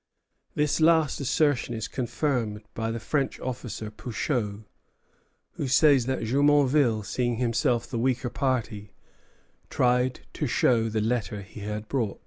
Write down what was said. This last assertion is confirmed by the French officer Pouchot, who says that Jumonville, seeing himself the weaker party, tried to show the letter he had brought.